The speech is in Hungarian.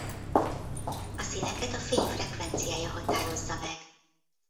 A színeket a fény frekvenciája határozza meg.